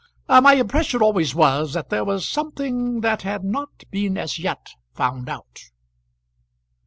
"My impression always was that there was something that had not been as yet found out."